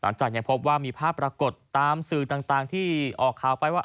หลังจากยังพบว่ามีภาพปรากฏตามสื่อต่างที่ออกข่าวไปว่า